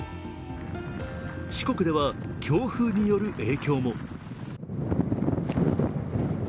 四国では強風による影響も。